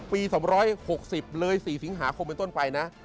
ปี๒๖๐ปีเลยศรีสิงหาคงเป็นต้นไปนะ